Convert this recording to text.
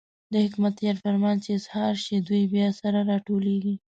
د حکمتیار فرمان چې اظهار شي، دوی بیا سره راټولېږي.